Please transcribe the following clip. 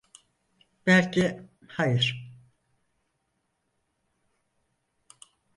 Belki hayır.